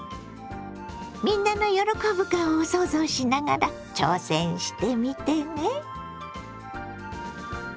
みんなの喜ぶ顔を想像しながら挑戦してみてね。